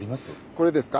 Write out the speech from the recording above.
これですか？